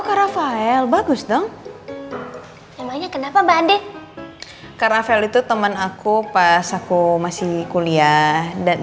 karena file bagus dong emangnya kenapa mbak andi karena file itu teman aku pas aku masih kuliah dan